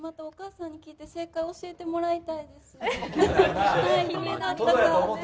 お母さんに聞いて正解教えてもらいたいです。